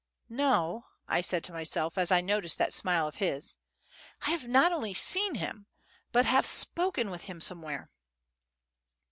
"No," said I to myself, as I noticed that smile of his, "I have not only seen him, but have spoken with him somewhere."